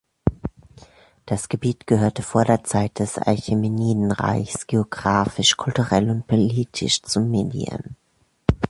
Das Gebiet gehörte vor der Zeit des Achämenidenreiches geographisch, kulturell und politisch zu Medien.